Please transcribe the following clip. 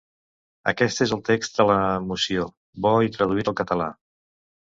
Aquest és el text de la moció, bo i traduït al català.